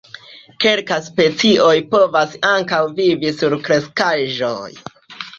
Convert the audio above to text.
Kelkaj specioj povas ankaŭ vivi sur kreskaĵoj.